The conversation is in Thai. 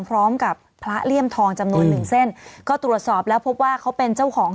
พร้อมกับพระเลี่ยมทองจำนวนหนึ่งเส้นก็ตรวจสอบแล้วพบว่าเขาเป็นเจ้าของ